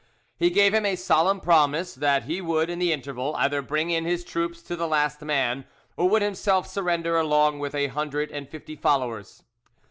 He gave him a solemn promise that he would, in the interval, either bring in his troops to the last man, or would himself surrender along with a hundred and fifty followers.